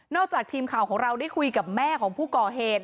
จากทีมข่าวของเราได้คุยกับแม่ของผู้ก่อเหตุ